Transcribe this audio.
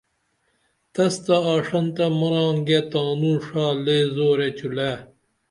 تس تہ آڜنتہ مرانگے تانو ڜا لے زورے چولئے